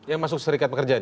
yang masuk serikat pekerjaan